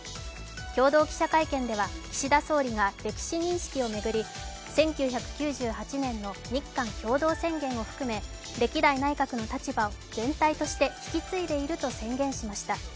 共同記者会見では岸田総理が歴史認識を巡り、１９９８年の日韓共同宣言を含め歴代内閣の立場を全体として引き継いでいると宣言しました。